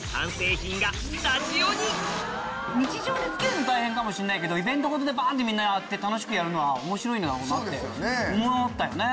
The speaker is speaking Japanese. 日常で付けるの大変かもしれないけどイベント事でバンってみんなああやって楽しくやるのは面白いんだろうなって思ったよね。